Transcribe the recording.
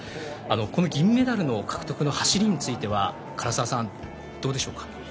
この銀メダルの獲得については唐澤さん、どうでしょうか？